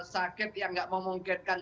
sakit yang gak memungkinkan